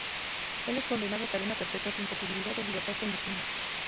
Él es condenado a cadena perpetua sin posibilidad de libertad condicional.